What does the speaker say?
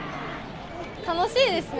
楽しいですね。